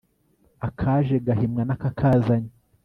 akaje gahimwa n'akakazanye